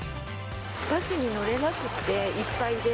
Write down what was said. バスに乗れなくて、いっぱいで。